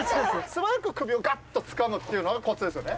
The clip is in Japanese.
素早く首をガッとつかむっていうのがコツですよね？